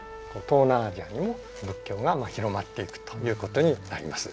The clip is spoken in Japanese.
東南アジアにも仏教が広まっていくということになります。